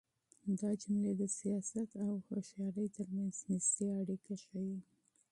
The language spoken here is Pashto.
دا جملې د سياست او هوښيارۍ تر منځ نږدې اړيکه ښيي.